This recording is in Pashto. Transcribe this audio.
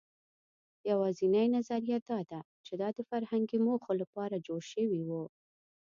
یواځینۍ نظریه دا ده، چې دا د فرهنګي موخو لپاره جوړ شوي وو.